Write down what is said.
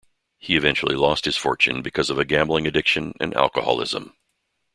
He eventually lost his fortune because of a gambling addiction and alcoholism.